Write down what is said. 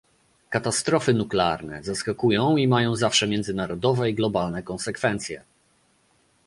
Katastrofy nuklearne zaskakują i mają zawsze międzynarodowe i globalne konsekwencje